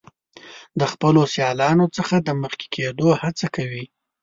د خپلو سیالانو څخه د مخکې کیدو هڅه کوي.